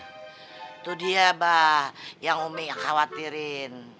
itu dia bah yang umi yang khawatirin